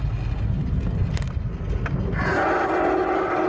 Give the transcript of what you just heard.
อยู่อยู่อยู่อยู่อยู่อยู่อยู่อยู่อยู่อยู่อยู่อยู่อยู่